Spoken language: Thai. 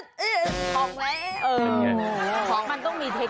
ถ้าเอาของมันต้องมีเทคนิค